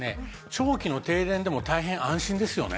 長期の停電でも大変安心ですよね。